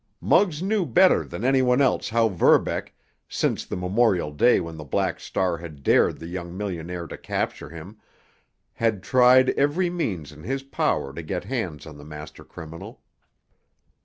Muggs knew better than any one else how Verbeck, since the memorable day when the Black Star had dared the young millionaire to capture him, had tried every means in his power to get hands on the master criminal.